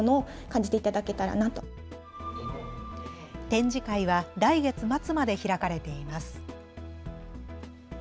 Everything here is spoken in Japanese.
展示会は来月末まで開かれています。